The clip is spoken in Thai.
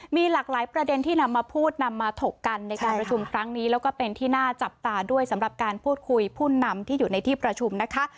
มีหลากหลายประเด็นที่นำมาพูดนำมาถกกันในการประชุมครั้งนี้แล้วก็เป็นที่น่าจับตาด้วยสำหรับการพูดคุยผู้นำที่อยู่ในที่ประชุมนะคะ